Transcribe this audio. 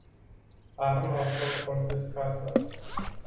Arma a fost confiscată.